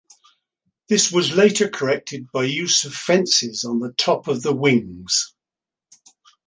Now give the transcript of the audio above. This was later corrected by use of fences on the top of the wings.